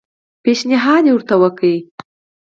پېشنهاد ورته وکړ.